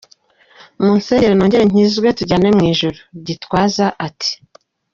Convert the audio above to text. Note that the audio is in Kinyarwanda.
… Munsengere nongere nkizwe tujyane mu ijuru” Gitwaza ati: .